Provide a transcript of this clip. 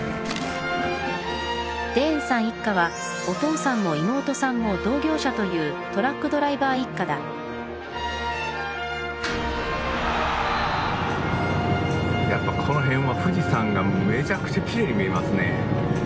デーンさん一家はお父さんも妹さんも同業者というやっぱこの辺は富士山がめちゃくちゃきれいに見えますね。